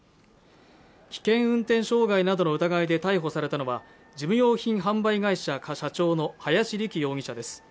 危険運転傷害などの疑いで逮捕されたのは事務用品販売会社社長の林利樹容疑者です